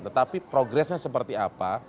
tetapi progresnya seperti apa